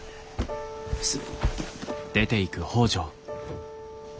失礼。